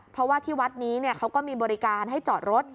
เพราะว่าที่วัดนี้เขาก็มีบริการให้จอดรถ